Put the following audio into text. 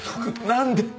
何で？